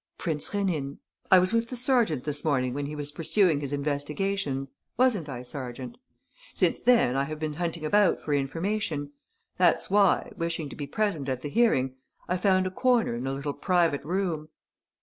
"Prince Rénine. I was with the sergeant this morning when he was pursuing his investigations, wasn't I, sergeant? Since then I have been hunting about for information. That's why, wishing to be present at the hearing, I found a corner in a little private room...."